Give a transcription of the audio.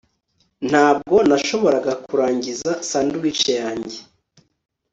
Ntabwo nashoboraga kurangiza sandwich yanjye